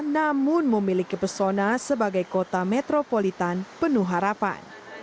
namun memiliki pesona sebagai kota metropolitan penuh harapan